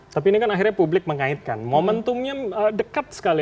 tapi ini kan akhirnya publik mengaitkan momentumnya dekat sekali